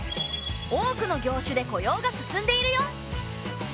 多くの業種で雇用が進んでいるよ。